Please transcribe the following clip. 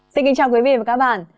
xin kính chào quý vị và các bạn